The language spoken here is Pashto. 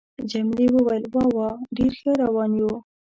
جميلې وويل:: وا وا، ډېر ښه روان یو.